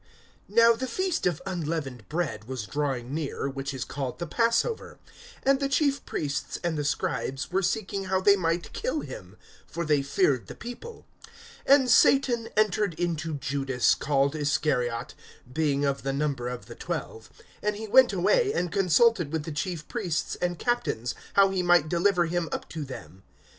NOW the feast of unleavened bread was drawing near, which is called the Passover; (2)and the chief priests and the scribes were seeking how they might kill him; for they feared the people. (3)And Satan entered into Judas called Iscariot, being of the number of the twelve. (4)And he went away, and consulted with the chief priests and captains, how he might deliver him up to them.